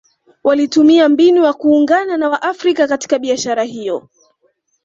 Walitumia mbinu ya kuungana na waafrika katika biashara hiyo